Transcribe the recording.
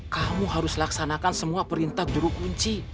kamu harus laksanakan semua perintah guru kunci